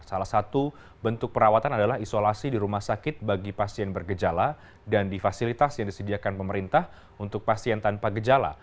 salah satu bentuk perawatan adalah isolasi di rumah sakit bagi pasien bergejala dan di fasilitas yang disediakan pemerintah untuk pasien tanpa gejala